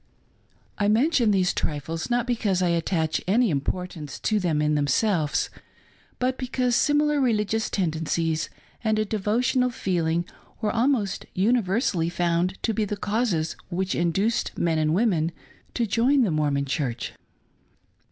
33 I mention these trifles, not because I attach any import ance to them in themselves, but because similar religious tendencies and a devotional feeling were almost universally found to be the causes which induced men and women to join the Mormon Church.